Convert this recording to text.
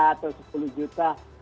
atau sepuluh juta